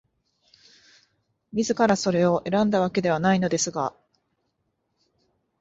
自らそれを選んだわけではないのですが、